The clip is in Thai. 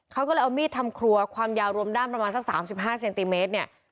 เขาก็เลยเอามีดทำครัวความยาวรวมด้านประมาณสัก๓๕เซนติเมตรเนี่ย